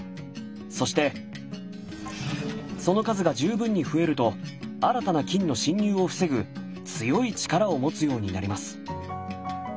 そしてその数が十分に増えると新たな菌の侵入を防ぐ強い力を持つようになります。